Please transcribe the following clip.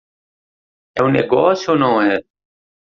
É um negócio ou não é?